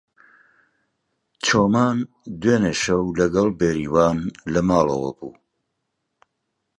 چۆمان دوێنێ شەو لەگەڵ بێریڤان لە ماڵەوە بوو.